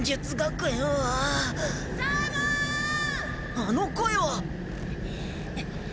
あの声は？